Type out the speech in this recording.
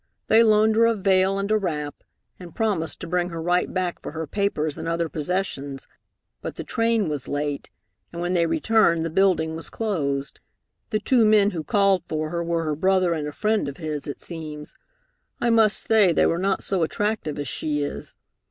They loaned her a veil and a wrap, and promised to bring her right back for her papers and other possessions, but the train was late, and when they returned the building was closed. The two men who called for her were her brother and a friend of his, it seems. I must say they were not so attractive as she is.